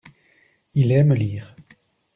Il aime lire.